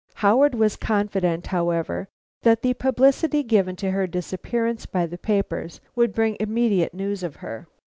Howard was confident, however, that the publicity given to her disappearance by the papers would bring immediate news of her.